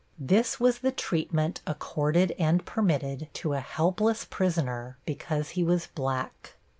This was the treatment accorded and permitted to a helpless prisoner because he was black.